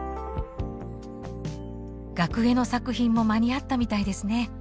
額絵の作品も間に合ったみたいですね。